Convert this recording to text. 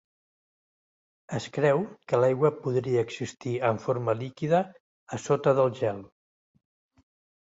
Es creu que l'aigua podria existir en forma líquida a sota del gel.